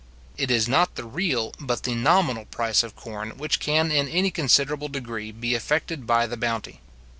It is not the real, but the nominal price of corn, which can in any considerable degree be affected by the bounty.